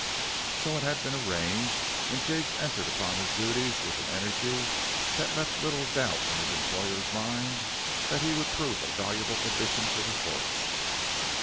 So it had been arranged, and Jiggs entered upon his duties with an energy that left little doubt in his employer's mind that he would prove a valuable addition to the force.